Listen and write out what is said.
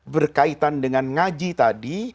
berkaitan dengan ngaji tadi